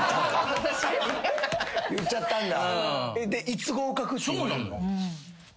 言っちゃったんだ。